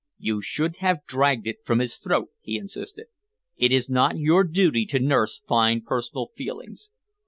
"You should have dragged it from his throat," he insisted. "It is not your duty to nurse fine personal feelings.